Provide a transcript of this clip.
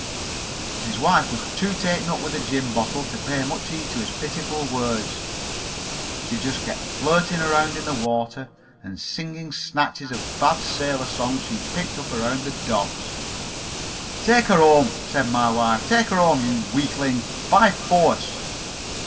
"But his wife was too taken up with the gin bottle to pay much heed to his pitiful words. She just kept flirting around in the water and singing snatches of bad sailor songs she'd picked up around the docks. "'Take her home,' said my wife, 'take her home, you weakling, by force.'